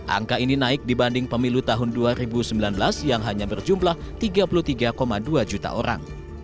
angka ini naik dibanding pemilu tahun dua ribu sembilan belas yang hanya berjumlah tiga puluh tiga dua juta orang